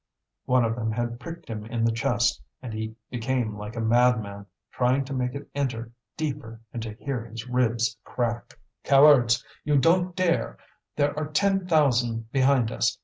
One of them had pricked him in the chest, and he became like a madman, trying to make it enter deeper and to hear his ribs crack. "Cowards, you don't dare! There are ten thousand behind us.